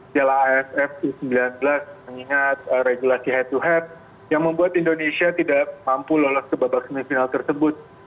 piala aff u sembilan belas mengingat regulasi head to head yang membuat indonesia tidak mampu lolos ke babak semifinal tersebut